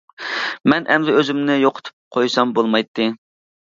مەن ئەمدى ئۆزۈمنى يوقىتىپ قويسام بولمايتتى.